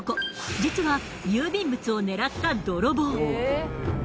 実は郵便物を狙った泥棒。